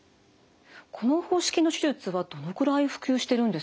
この方式の手術はどのぐらい普及してるんですか？